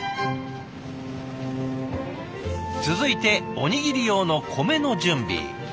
続いておにぎり用の米の準備。